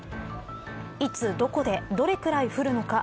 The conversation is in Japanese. いつどこで、どれくらい降るのか